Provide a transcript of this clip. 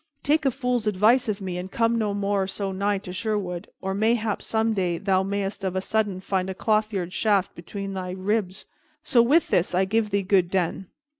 Take a fool's advice of me and come no more so nigh to Sherwood, or mayhap some day thou mayst of a sudden find a clothyard shaft betwixt thy ribs. So, with this, I give thee good den."